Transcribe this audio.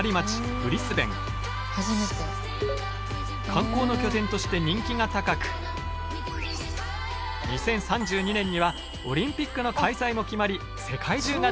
観光の拠点として人気が高く２０３２年にはオリンピックの開催も決まり世界中が注目しています。